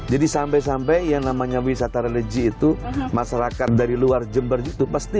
jadi sampai sampai yang namanya wisata religi itu masyarakat dari luar jember itu pasti